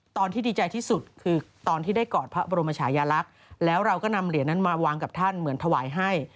ดีใจที่สุดคือตอนที่ได้กอดพระบรมชายลักษณ์แล้วเราก็นำเหรียญนั้นมาวางกับท่านเหมือนถวายให้